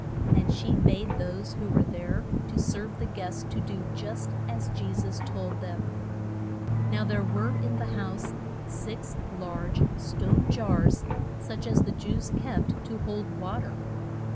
And she bade those who were there to serve the guests to do just as Je sus told them. Now there were in the house six large stone jars such as the Jews kept to hold wa ter.